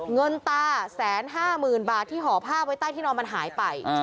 เงินตาแสนห้าหมื่นบาทที่ห่อภาพไว้ใต้ที่นอนมันหายไป